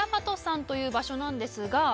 という場所なんですが。